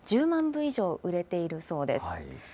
１０万部以上売れているそうです。